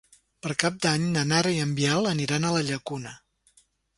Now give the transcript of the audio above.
Per Cap d'Any na Nara i en Biel aniran a la Llacuna.